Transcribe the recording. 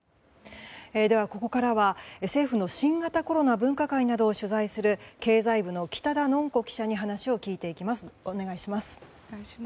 ここからは政府の新型コロナ分科会などを取材する経済部の北田暢子記者に話を聞いていきます。